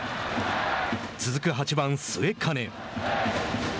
続く８番、末包。